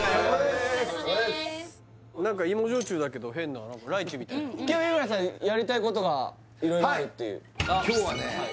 何か芋焼酎だけど変なライチみたいな今日三村さんやりたいことが色々あるっていう今日はね